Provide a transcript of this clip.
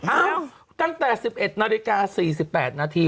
ตั้งแต่๑๑นาฬิกา๔๘นาที